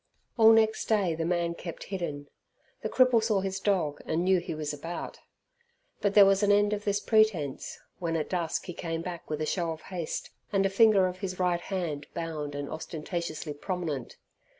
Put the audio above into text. All next day the man kept hidden. The cripple saw his dog, and knew he was about. But there was an end of this pretence when at dusk he came back with a show of haste, and a finger of his right hand bound and ostentatiously prominent.